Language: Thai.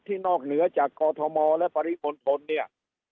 นอกเหนือจากกอทมและปริมณฑลเนี่ย